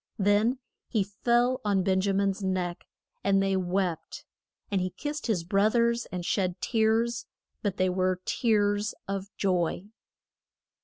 Then he fell on Ben ja min's neck, and they wept; and he kissed his broth ers and shed tears, but they were tears of joy.